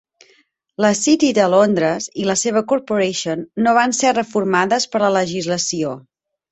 La City de Londres i la seva Corporation no van ser reformades per la legislació.